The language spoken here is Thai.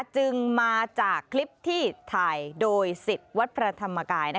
จึงมาจากคลิปที่ถ่ายโดยสิทธิ์วัดพระธรรมกาย